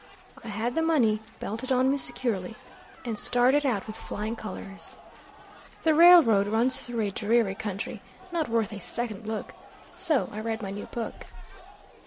I had the money belted on me securely, and started out with flying colors. The railroad runs through a dreary country, not worth a second look, so I read my new book.